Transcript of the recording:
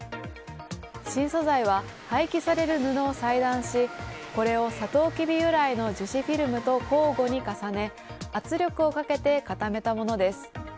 新素材は、廃棄される布を裁断しこれをサトウキビ由来の樹脂フィルムと交互に重ね圧力をかけて固めたものです。